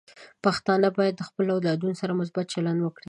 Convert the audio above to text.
پښتانه بايد د خپلو اولادونو سره مثبت چلند وکړي.